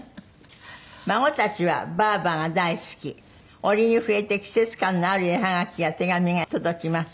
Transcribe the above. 「孫たちはばあばが大好き」「折に触れて季節感のある絵はがきや手紙が届きます」